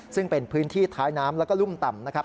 ซึ่งเป็นพื้นที่ท้ายน้ำแล้วก็รุ่มต่ำนะครับ